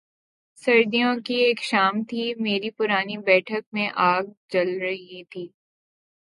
سردیوں کی ایک شام تھی، میری پرانی بیٹھک میں آگ جل رہی تھی۔